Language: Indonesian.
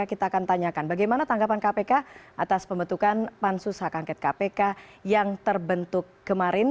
kita akan tanyakan bagaimana tanggapan kpk atas pembentukan pansus hak angket kpk yang terbentuk kemarin